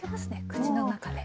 口の中で。